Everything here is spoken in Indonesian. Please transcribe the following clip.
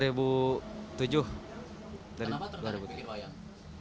kenapa tergantung bikin wayang